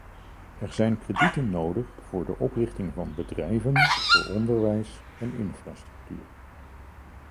Er zijn kredieten nodig voor de oprichting van bedrijven, voor onderwijs en infrastructuur.